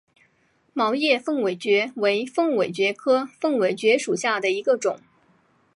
毛叶凤尾蕨为凤尾蕨科凤尾蕨属下的一个种。